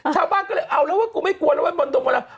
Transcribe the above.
ชาวบ้านก็เลยเอาแล้วว่ากูไม่กลัวแล้วมันต้องมาแล้ว